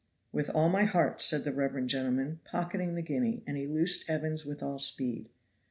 "With all my heart," said the reverend gentleman, pocketing the guinea, and he loosed Evans with all speed.